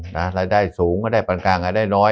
รายได้สูงรายได้ปันกลางรายได้น้อย